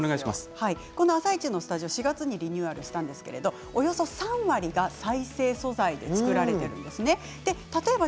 「あさイチ」のスタジオ４月にリニューアルしたんですけど、およそ３割が再生素材で作られているんですね。